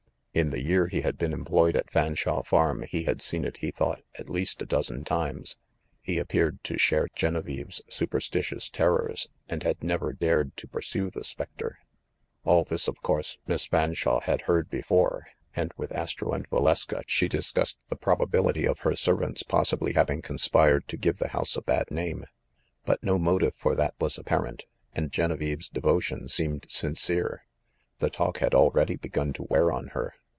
In the year he had been employed at Fan shawe Farm he had seen it, he thought, at least a dozen times. He appeared to share Genevieve's super stitious terrors and had never dared to pursue the specter. 74 THE MASTER OF MYSTERIES All this, of course, Miss Fanshawe had heard be fore, and with Astro and Valeska she discussed the probability of her servants possibly having conspired to give the house a bad name. But no motive for that was apparent, and Genevieve's devotion seemed sin cere. The talk had already begun to wear on her.